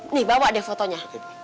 nih bawa deh fotonya